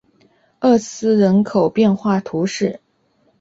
厄斯人口变化图示